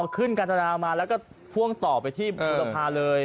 อ๋อขึ้นการจรรย์มาแล้วก็พ่วงต่อไปที่บุรพาเลย